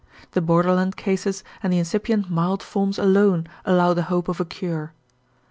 The borderland cases and the incipient mild forms alone allow the hope of a cure.